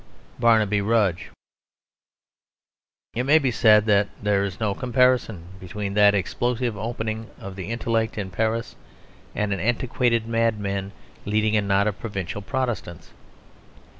BARNABY RUDGE It may be said that there is no comparison between that explosive opening of the intellect in Paris and an antiquated madman leading a knot of provincial Protestants.